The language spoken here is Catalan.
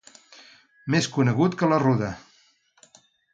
Més conegut que la ruda.